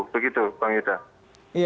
begitu bang yuda